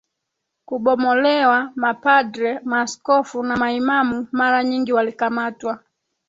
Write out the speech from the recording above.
kubomolewa Mapadre maaskofu na maimamu mara nyingi walikamatwa